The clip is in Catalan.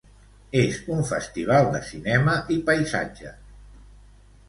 És un festival de cinema i paisatge.